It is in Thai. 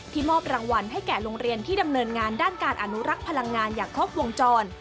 มอบรางวัลให้แก่โรงเรียนที่ดำเนินงานด้านการอนุรักษ์พลังงานอย่างครบวงจร